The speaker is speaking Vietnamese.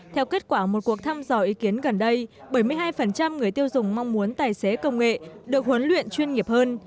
theo kết quả một cuộc thăm dò ý kiến gần đây bảy mươi hai người tiêu dùng mong muốn tài xế công nghệ được huấn luyện chuyên nghiệp hơn